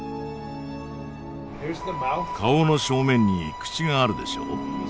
顔の正面に口があるでしょう。